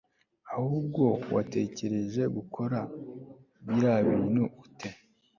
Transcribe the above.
ahubwo watekereje gukora birabintu ute